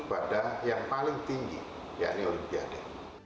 pada yang paling tinggi yakni olimpiade